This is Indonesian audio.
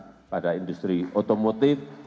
kepada industri otomotif